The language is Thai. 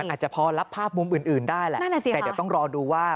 อาจจะพอรับภาพมุมอื่นได้แหละแต่เดี๋ยวต้องรอดูว่า